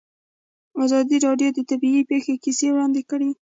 ازادي راډیو د طبیعي پېښې کیسې وړاندې کړي.